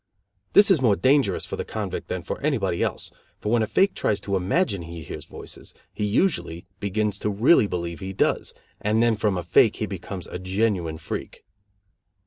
This is more dangerous for the convict than for anybody else, for when a fake tries to imagine he hears voices, he usually begins to really believe he does, and then from a fake he becomes a genuine freak.